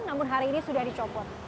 namun hari ini sudah dicopot